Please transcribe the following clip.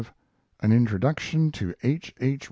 AN INTRODUCTION TO H. H.